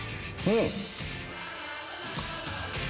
うん！